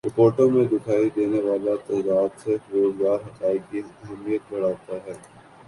رپورٹوں میں دکھائی دینے والا تضاد صرف روزگار حقائق کی اہمیت بڑھاتا ہے